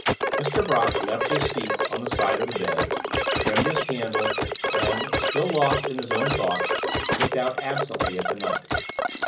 Mr. Brock left his seat on the side of the bed, trimmed his candle, and, still lost in his own thoughts, looked out absently at the night.